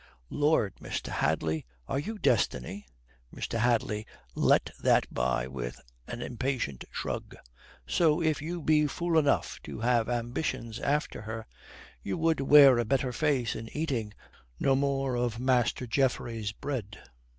"Lord, Mr. Hadley, are you destiny?" Mr. Hadley let that by with an impatient shrug. "So if you be fool enough to have ambitions after her, you would wear a better face in eating no more of Master Geoffrey's bread."